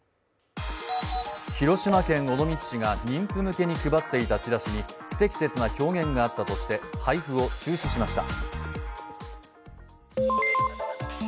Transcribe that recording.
広島県尾道市が妊婦向けに配っていたチラシに不適切な表現があったとして、配布を中止しました。